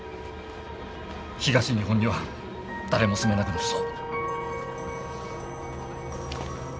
東日本には誰も住めなくなるぞ。